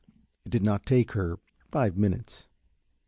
It did not take her five minutes.